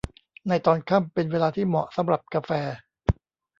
ในตอนค่ำเป็นเวลาที่เหมาะสำหรับกาแฟ